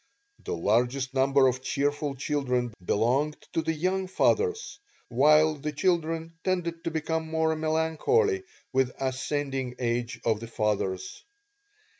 The largest number of cheerful children belonged to the young fathers, while the children tended to become more melancholy with ascending age of the fathers.